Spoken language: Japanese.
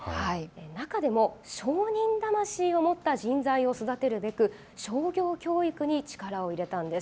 中でも商人魂を持った人材を育てるべく商業教育にも力を入れたんです。